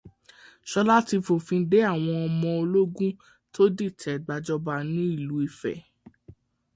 Ṣọlá ti fòfin de àwọn ọmọ ológun tó dìtẹ̀ gbàjọba ní Ìlú Ifẹ̀